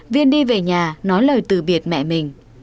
viên đi về nhà nói lời từ biệt mẹ mình